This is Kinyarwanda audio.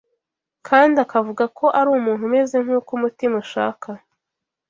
kandi akavuga ko ari ” umuntu umeze nk’uko umutima ushaka